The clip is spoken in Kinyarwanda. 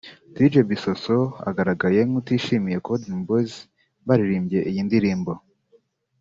Dj Bissosso agaragaye nk’utishimiye kuba Dream Boyz baririmbye iyi ndirimbo